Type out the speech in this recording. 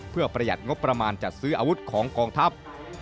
เพื่อประหยัดงบประมาณจัดซื้ออาวุธของกองทัพ